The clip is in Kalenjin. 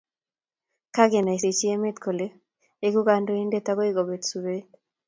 kakenaisheji emet kole egu kandoindet akoi kobeet sobet